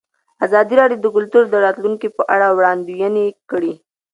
ازادي راډیو د کلتور د راتلونکې په اړه وړاندوینې کړې.